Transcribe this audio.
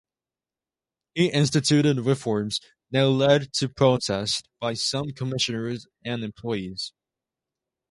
He instituted reforms that led to protests by some commissioners and employees.